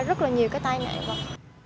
rất là nhiều cái tai nạn